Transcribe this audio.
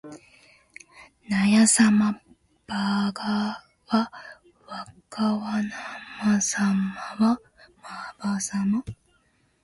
なやさまばがはわかわなまさまはまばさま